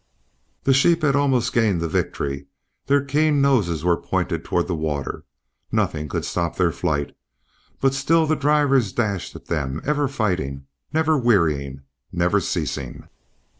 The sheep had almost gained the victory; their keen noses were pointed toward the water; nothing could stop their flight; but still the drivers dashed at them, ever fighting, never wearying, never ceasing.